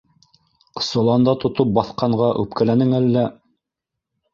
Соланда тотоп баҫҡанға үпкәләнең әллә?